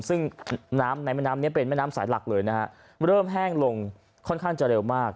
ซึ่งน้ำในแม่น้ำนี้เป็นแม่น้ำสายหลักเลยนะฮะเริ่มแห้งลงค่อนข้างจะเร็วมาก